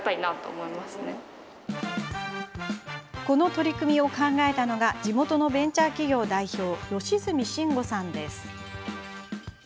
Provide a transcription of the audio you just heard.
この取り組みを考えたのが地元のベンチャー企業代表善積真吾さんです。